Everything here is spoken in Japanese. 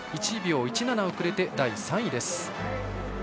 １秒１７遅れて、第３位です。